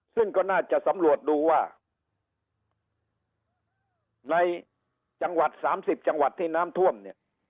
ซึ่งก็น่าจะสำรวจดูว่าในจังหวัด๓๐จังหวัดที่น้ำท่วมเนี่ย